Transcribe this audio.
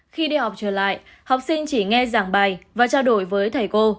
khi đi học trở lại học sinh chỉ nghe giảng bài và trao đổi với thầy cô